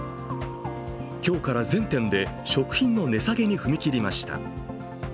今日から全店で食品の値下げに踏み切りました。